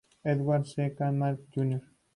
Edward C. Martin Jr.